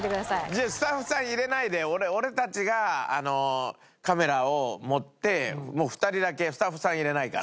じゃあスタッフさん入れないで俺たちがカメラを持ってもう２人だけスタッフさん入れないから。